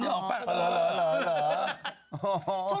เหรอเหรอเหรอ